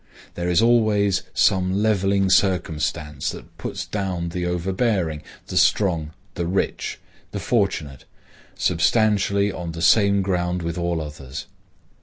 There is always some levelling circumstance that puts down the overbearing, the strong, the rich, the fortunate, substantially on the same ground with all others.